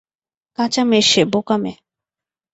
কাঁচা মেয়ে সে, বোকা মেয়ে।